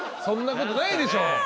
そんなことないでしょ。